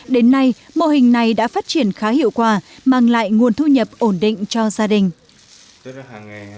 đến nay mô hình này đã phát triển khá hiệu quả mang lại nguồn thu nhập ổn định cho gia đình